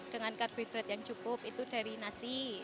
dengan karbohidrat yang cukup itu dari nasi